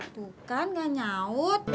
tuh kan gak nyaut